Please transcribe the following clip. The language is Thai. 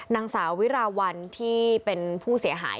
นางสาววิราวัลที่เป็นผู้เสียหาย